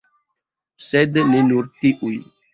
Sed ne nur tiuj.